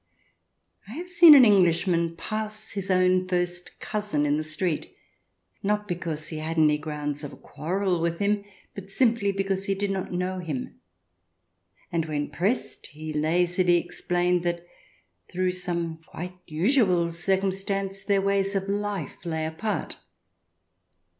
I have seen an Englishman pass his own first cousin in the street, not because he had any grounds of quarrel with him, but simply because he did not know him. And when pressed, he lazily explained that through some quite usual circumstance, their ways of life lay apart.